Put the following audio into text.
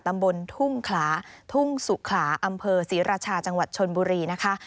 ตำบลทุ่งขลาทุ่งสุขลาอำเภอศรีราชาจังหวัดชนบุรีนะคะ